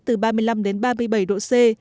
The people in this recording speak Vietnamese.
từ ba mươi năm đến ba mươi bảy độ c